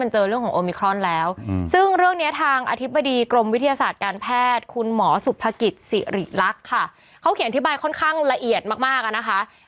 หรือลักษณ์ค่ะเขาเขียนอธิบายค่อนข้างละเอียดมาก